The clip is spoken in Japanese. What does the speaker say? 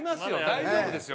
大丈夫ですよ